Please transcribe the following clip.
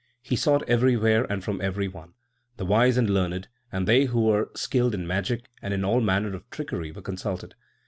He sought everywhere and from every one. The wise and learned, and they who were skilled in magic and in all manner of trickery, were consulted.